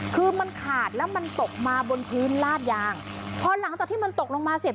คือมันขาดแล้วมันตกมาบนพื้นลาดยางพอหลังจากที่มันตกลงมาเสร็จ